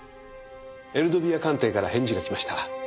エルドビア官邸から返事がきました。